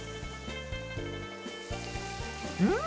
うん！